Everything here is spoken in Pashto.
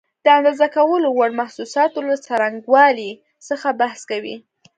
د اندازه کولو وړ محسوساتو له څرنګوالي څخه بحث کوي.